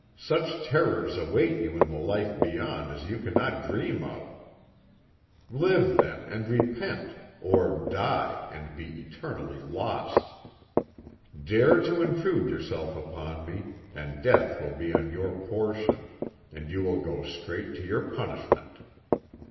Such terrors await you in the life beyond as you cannot dream of. Live, then, and repent; or die, and be eternally lost! Dare to intrude yourself upon me, and death will be your portion, and you will go straight to your punishment.